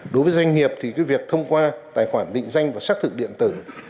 đối với doanh nghiệp thì việc thông qua tài khoản định danh và xác thực điện tử